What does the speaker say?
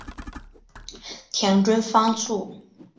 田中芳树。